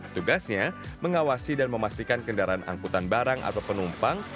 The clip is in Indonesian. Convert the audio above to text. tugasnya mengawasi dan memastikan kendaraan angkutan barang atau penumpang